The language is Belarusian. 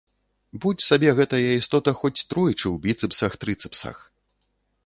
Будзь сабе гэтая істота хоць тройчы ў біцэпсах-трыцэпсах.